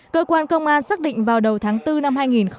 cơ quan công an xác định vào đầu tháng bốn năm hai nghìn một mươi chín